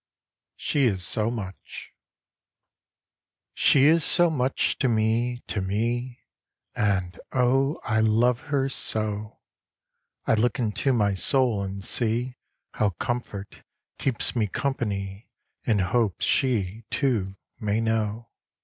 "SHE IS SO MUCH" She is so much to me, to me, And, oh, I love her so, I look into my soul and see How comfort keeps me company In hopes she, too, may know.